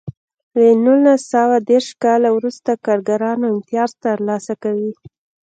له نولس سوه دېرش کال وروسته کارګرانو امتیاز ترلاسه کوی.